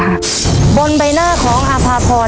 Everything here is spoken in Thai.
หนึ่งล้าน